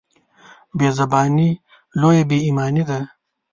بېزباني لويه بېايماني ده.